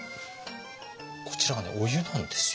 こちらがねお湯なんですよ。